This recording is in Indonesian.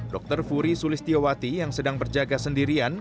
dokter furi sulistiyowati yang sedang berjaga sendirian